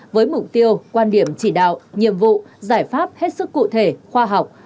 với mục tiêu quan điểm chỉ đạo nhiệm vụ giải pháp hết sức cụ thể khoa học